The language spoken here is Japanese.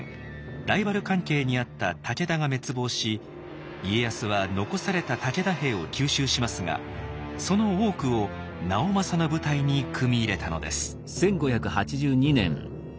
ライバル関係にあった武田が滅亡し家康は残された武田兵を吸収しますがその多くを直政の部隊に組み入れたのです。